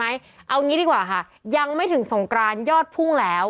เอางี้ดีกว่าค่ะยังไม่ถึงสงกรานยอดพุ่งแล้ว